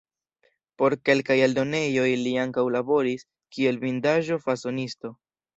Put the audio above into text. Por kelkaj eldonejoj li ankaŭ laboris kiel bindaĵo-fasonisto.